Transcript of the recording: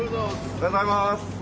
おはようございます。